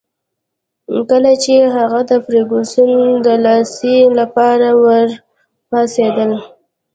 کله چي هغه د فرګوسن د دلاسايي لپاره ورپاڅېدل.